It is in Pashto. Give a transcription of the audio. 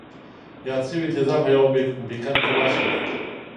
یاد شوي تیزاب په یوه بیکر کې واچوئ.